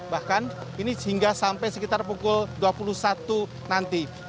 bahkan ini hingga sampai sekitar pukul dua puluh satu nanti